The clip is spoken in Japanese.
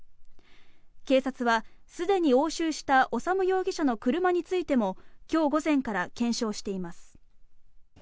警察はすでに押収した修容疑者の車についても今日午前から検証しています。